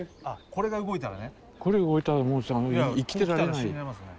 これ動いたらもうさ生きてられないよ。